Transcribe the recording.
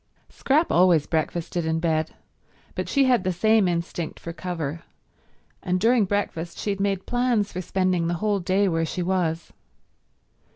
Scrap always breakfasted in bed, but she had the same instinct for cover, and during breakfast she made plans for spending the whole day where she was.